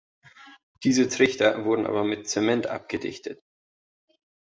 Diese Trichter wurden aber mit Zement abgedichtet.